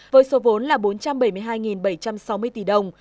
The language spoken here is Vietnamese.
với số vốn là bốn trăm bảy mươi hai bảy trăm sáu mươi tỷ đồng